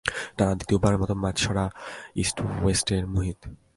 টানা দ্বিতীয়বারের মতো ম্যাচসেরা ইস্ট ওয়েস্টের মুহিত।